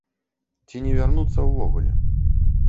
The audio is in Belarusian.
Ці не вярнуцца ўвогуле.